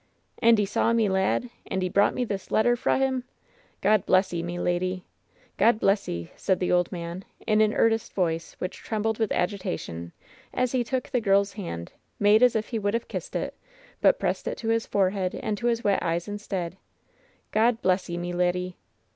"And 'ee saw me lad ? And 'ee brought me this letter fra him? God bless 'ee, me leddy! God bless 'ee!" said the old man, in an earnest voice which trembled with agitation, as he took the girl's hand, made as if he would have kissed it, but pressed it to his forehead and to his wet eyes instead — "God bless 'ee, me leddy